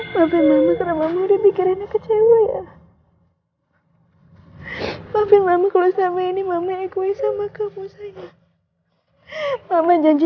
mama selalu bikin rena nangis terus